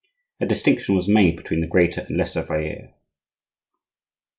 A distinction was made between the greater and lesser vair.